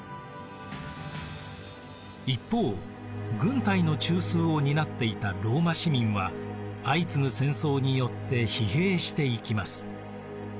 一方軍隊の中枢を担っていたローマ市民は相次ぐ戦争によって疲弊していきます。